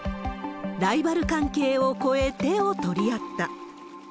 ライバル関係を超え、手を取り合った。